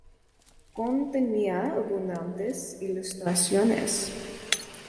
Contenía abundantes ilustraciones.